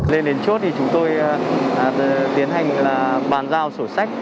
lên đến chốt thì chúng tôi tiến hành là bàn giao sổ sách